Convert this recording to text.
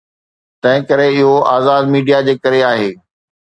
تنهنڪري اهو آزاد ميڊيا جي ڪري آهي.